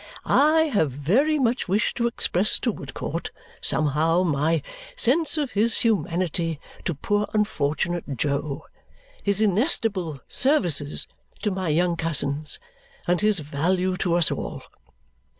I have very much wished to express to Woodcourt, somehow, my sense of his humanity to poor unfortunate Jo, his inestimable services to my young cousins, and his value to us all.